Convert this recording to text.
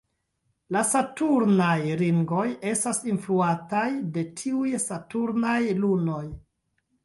La saturnaj ringoj estas influataj de tiuj saturnaj lunoj.